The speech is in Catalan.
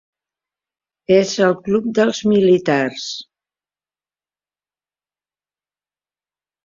És el club dels militars.